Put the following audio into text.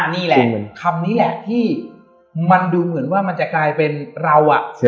นี่แหละคำนี้แหละที่มันดูเหมือนว่ามันจะกลายเป็นเรา